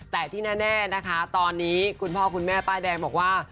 แต่ที่แน่นะคะตอนนี้คุณพ่อคุณแม่ป้ายแดงบอกว่า